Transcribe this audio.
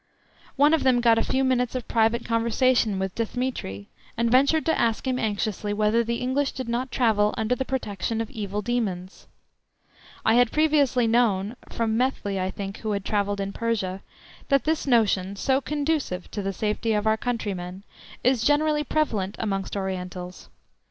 One of them got a few minutes of private conversation with Dthemetri, and ventured to ask him anxiously whether the English did not travel under the protection of evil demons. I had previously known (from Methley, I think, who had travelled in Persia) that this notion, so conducive to the safety of our countrymen, is generally prevalent amongst Orientals.